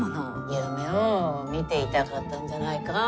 夢をみていたかったんじゃないか。